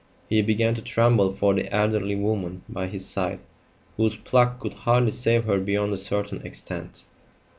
He began to tremble for the elderly woman by his side, whose pluck could hardly save her beyond a certain extent.